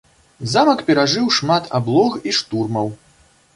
Замак перажыў шмат аблог і штурмаў.